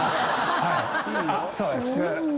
そうです。